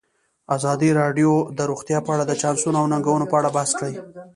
ازادي راډیو د روغتیا په اړه د چانسونو او ننګونو په اړه بحث کړی.